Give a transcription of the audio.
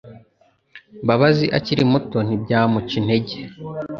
Mbabazi akiri muto, ntibyamuca intege